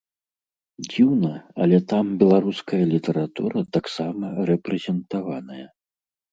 Дзіўна, але там беларуская літаратура таксама рэпрэзентаваная.